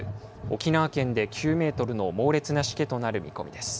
沖縄県で９メートルの猛烈なしけとなる見込みです。